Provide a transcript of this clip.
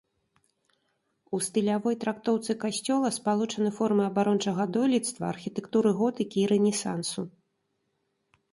У стылявой трактоўцы касцёла спалучаны формы абарончага дойлідства, архітэктуры готыкі і рэнесансу.